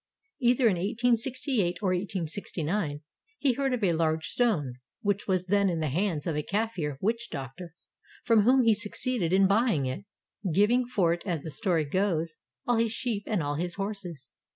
Either in 1868 or 1869 he heard of a large stone which was then in the hands of a Kafir witch doctor from whom he succeeded in buying it, giving for it as the story goes all his sheep and all his horses.